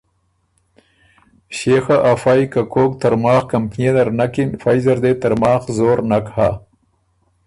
ݭيې خه افئ که کوک ترماخ کمپنيې نر نکِن فئ زر دې ترماخ زور نک هۀ